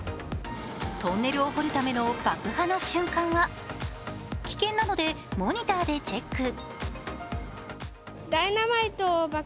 トンネルを掘るための爆破の瞬間は、危険なのでモニターでチェック。